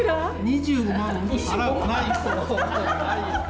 ２５万払うないよ。